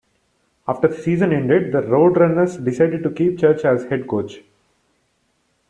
After the season ended, the RoadRunners decided to keep Church as head coach.